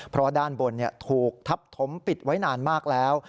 เพราะด้านบนถูกทับถมปิดไว้นานมากแล้ว